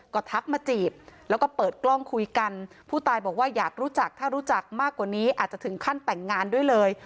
ก็ทักมาจีบแล้วก็เปิดกล้องคุยกันผู้ตายบอกว่าอยากรู้จักถ้ารู้จักมากกว่านี้อาจจะถึงขั้นแต่งงานด้วยเลย